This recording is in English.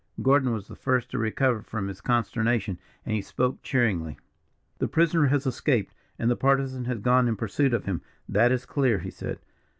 Gordon was the first to recover from his consternation, and he spoke cheeringly. "The prisoner has escaped, and the Partisan has gone in pursuit of him, that is clear," he said.